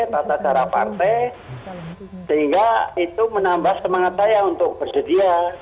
tata cara partai sehingga itu menambah semangat saya untuk bersedia